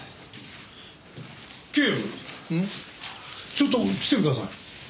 ちょっと来てください。